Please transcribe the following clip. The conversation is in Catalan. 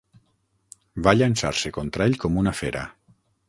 Va llançar-se contra ell com una fera.